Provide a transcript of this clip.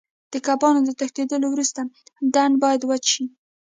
د کبانو د تښتېدلو وروسته ډنډ باید وچ شي.